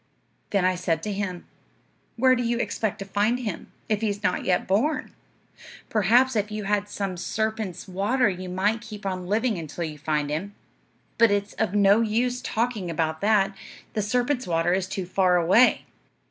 "Then I said to him, 'Where do you expect to find him, if he's not yet born? Perhaps if you had some serpent's water you might keep on living until you find him. But it's of no use talking about that; the serpent's water is too far away.'